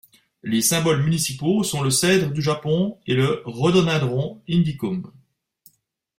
Les symboles municipaux sont le cèdre du Japon et le Rhododendron indicum.